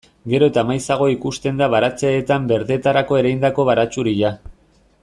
Gero eta maizago ikusten da baratzeetan berdetarako ereindako baratxuria.